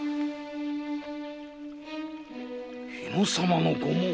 日野様のご紋！